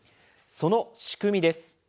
その仕組みです。